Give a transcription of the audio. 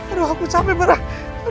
aduh aku capek barang